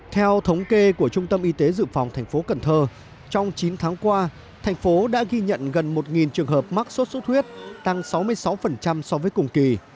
theo thống kê của trung tâm y tế dự phòng thành phố cần thơ trong chín tháng qua thành phố đã ghi nhận gần một trường hợp mắc sốt xuất huyết tăng sáu mươi sáu so với cùng kỳ